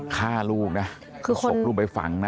ฆ่าลูกนะศพลูกไปฝังนะ